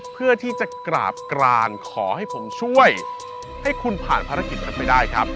เพื่อที่จะกราบกรานขอให้ผมช่วยให้คุณผ่านภารกิจนั้นไปได้ครับ